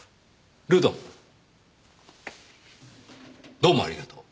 どうもありがとう。